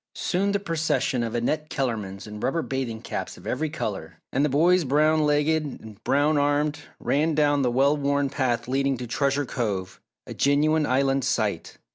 Soon the procession of "Annette Kellermans" in rubber bathing caps of every colour, and the boys brown legged and brown armed, ran down the well worn path leading to Treasure Cove, a genuine Island sight.